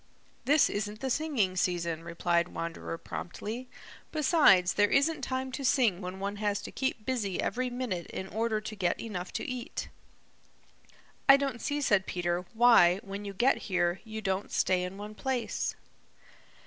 "This isn't the singing season," replied Wanderer promptly. "Besides, there isn't time to sing when one has to keep busy every minute in order to get enough to eat." "I don't see," said Peter, "why, when you get here, you don't stay in one place."